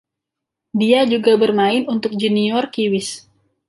Dia juga bermain untuk Junior Kiwis.